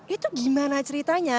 itu gimana ceritanya